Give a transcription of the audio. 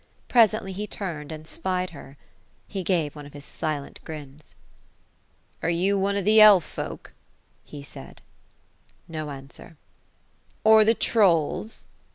Presently he turned, and spied her. He gave one of his silent grins. '' Are you one of the Elle folk ?" he said. No answer. '' Or the Trolls ?